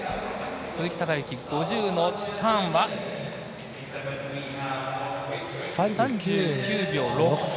鈴木孝幸、５０のターンは３９秒６３。